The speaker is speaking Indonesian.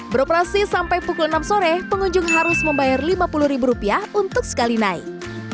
beroperasi sampai pukul enam sore pengunjung harus membayar lima puluh ribu rupiah untuk sekali naik